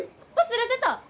忘れてた！